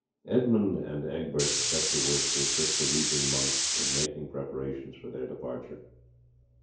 Edmund and Egbert set to work to assist the weeping monks in making preparations for their departure.